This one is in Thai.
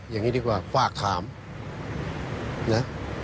อย่างนี้ดีกว่าฝากถามนะ